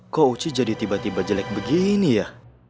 kok uci jadi tiba tiba jelek begini ya